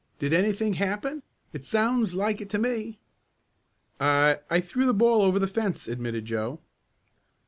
"Did anything happen? It sounds like it to me." "I I threw the ball over the fence," admitted Joe.